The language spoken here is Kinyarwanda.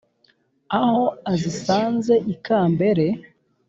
aho azisanze ikambere